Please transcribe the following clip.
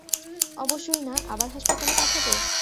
অবশ্যই না, আবার হাসপাতালে পাঠাবো?